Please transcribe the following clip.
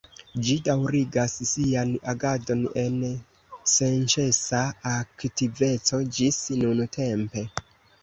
Ĝi daŭrigas sian agadon en senĉesa aktiveco ĝis nuntempe.